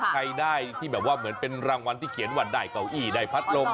ใครได้ที่แบบว่าเหมือนเป็นรางวัลที่เขียนวันได้เก้าอี้ได้พัดลม